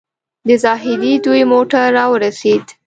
د زاهدي دوی موټر راورسېد.